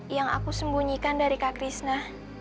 yang aku sembunyikan dari kak krishna